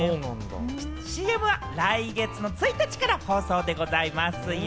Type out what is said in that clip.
ＣＭは来月の１日から放送でございますよ。